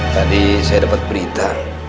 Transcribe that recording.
tadi saya dapet berita